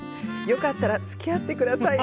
良かったら付き合ってください。